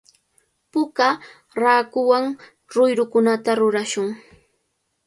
Puka raakuwan ruyrukunata rurashun.